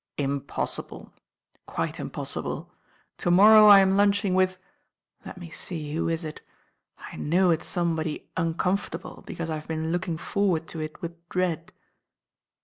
"Impossible, quite impossible. To morrow I am lunching with— let me see, who is it? I know it's somebody uncomfortable, because I have been look ing forward to it with dread."